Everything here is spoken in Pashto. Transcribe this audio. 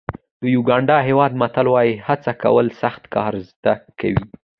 د یوګانډا هېواد متل وایي هڅه کول سخت کار زده کوي.